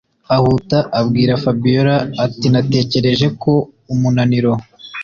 ahuta abwira Fabiora atinatekereje ko umunaniro